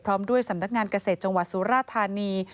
พร้อมด้วยสำนักงานเกษตรจังหวัดสุราธานี